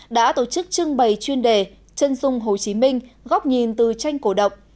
đã tổ chức trưng bày chuyên đề chân dung hồ chí minh góc nhìn từ tranh cổ động